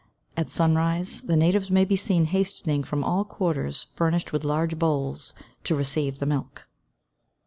At sunrise, the natives may be seen hastening from all quarters furnished with large bowls to receive the milk.